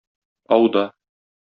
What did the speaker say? Ауда.